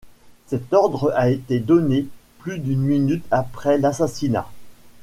Cet ordre a été donné plus d'une minute après l'assassinat.